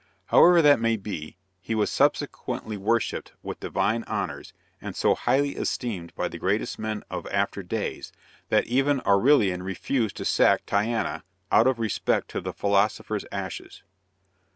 However that may be, he was subsequently worshiped with divine honors, and so highly esteemed by the greatest men of after days, that even Aurelian refused to sack Tyana, out of respect to the philosopher's ashes.